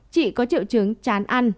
chị có triệu trứng chán ăn